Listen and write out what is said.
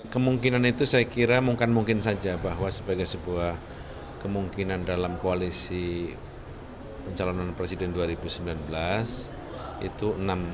kemungkinan itu saya kira mungkin saja bahwa sebagai sebuah kemungkinan dalam koalisi pencalonan presiden dua ribu sembilan belas itu enam